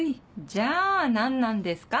じゃあ何なんですか？